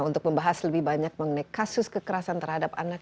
untuk membahas lebih banyak mengenai kasus kekerasan terhadap anak